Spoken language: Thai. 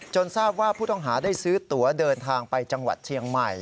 ทราบว่าผู้ต้องหาได้ซื้อตัวเดินทางไปจังหวัดเชียงใหม่